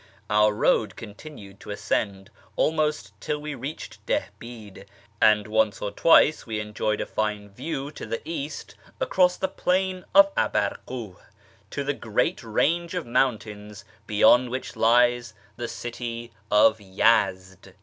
Our road continued to ascend almost till we reached Dihbid, and once or twice we enjoyed a fine view to the east across the Plain of Abarkuh to the great range of mountains beyond which lies the city of Yezd.